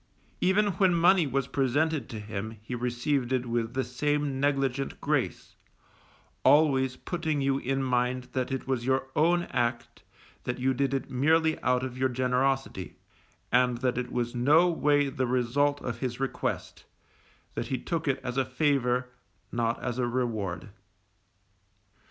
Even when money was presented to him he received it with the same negligent grace, always putting you in mind that it was your own act, that you did it merely out of your generosity, and that it was no way the result of his request, that he took it as a favour, not as a reward.